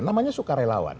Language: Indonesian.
namanya suka relawan